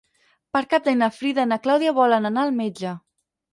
Per Cap d'Any na Frida i na Clàudia volen anar al metge.